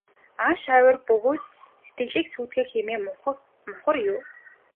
Ааш авир бөгөөс сэтгэлийн сүйтгэл хэмээн мунхар юу.